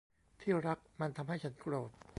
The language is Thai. ที่รัก มันทำให้ฉันโกรธ